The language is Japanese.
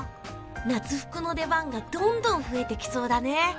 夏服の出番がどんどん増えてきそうだね。